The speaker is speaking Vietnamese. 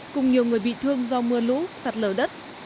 cùng nhiều người bị thương do mưa lũ sạt lở đất